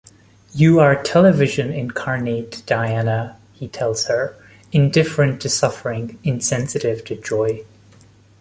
"You are television incarnate, Diana," he tells her, "indifferent to suffering, insensitive to joy.